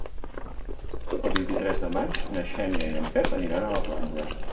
El vint-i-tres de maig na Xènia i en Pep aniran a la platja.